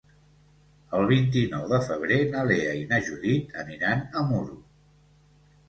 El vint-i-nou de febrer na Lea i na Judit aniran a Muro.